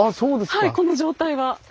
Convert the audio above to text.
はいこの状態は。